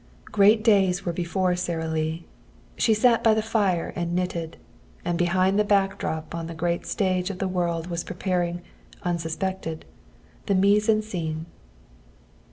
Great days were before Sara Lee. She sat by the fire and knitted, and behind the back drop on the great stage of the world was preparing, unsuspected, the mise en scène.